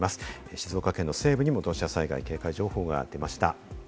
静岡県の西部にも土砂災害警戒情報が出ました。